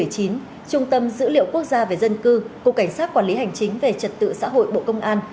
trung tâm dữ liệu quốc gia về dân cư cục cảnh sát quản lý hành chính về trật tự xã hội bộ công an